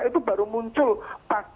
jadi kita harus berpikir